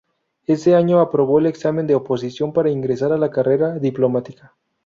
Ese año aprobó el examen de oposición para ingresar a la carrera diplomática.